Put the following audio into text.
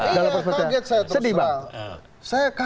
iya kaget saya terus